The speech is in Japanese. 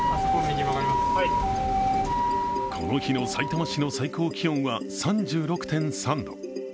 この日のさいたま市の最高気温は３６．３度。